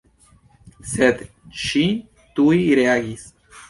Sed ŝi tuj reagis.